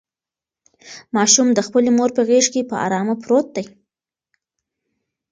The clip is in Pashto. ماشوم د خپلې مور په غېږ کې په ارامه پروت دی.